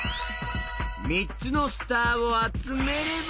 みっつのスターをあつめれば。